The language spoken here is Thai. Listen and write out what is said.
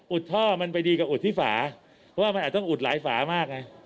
ท่อมันไปดีกับอุดที่ฝาเพราะว่ามันอาจต้องอุดหลายฝามากไง